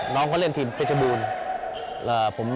น้องเขาเล่นทีมเพชรบูรณ์